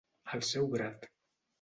Al seu grat.